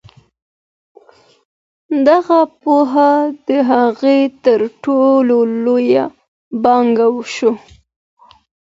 دغه پوهه د هغې تر ټولو لویه پانګه شوه.